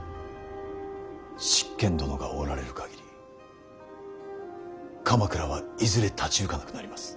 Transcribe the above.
執権殿がおられる限り鎌倉はいずれ立ち行かなくなります。